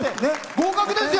合格ですよ！